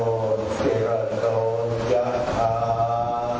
สวัสดีครับสวัสดีครับ